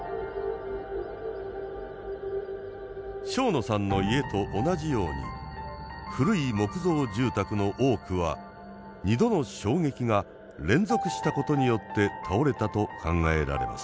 庄野さんの家と同じように古い木造住宅の多くは２度の衝撃が連続したことによって倒れたと考えられます。